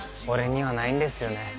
俺にはないんですよね。